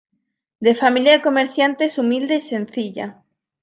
De familia de comerciantes humilde y sencilla.